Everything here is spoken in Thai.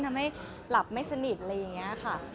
ทำให้หลับไม่สนิทอะไรอย่างนี้ค่ะ